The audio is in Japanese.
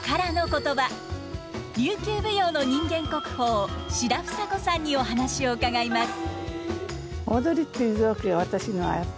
琉球舞踊の人間国宝志田房子さんにお話を伺います。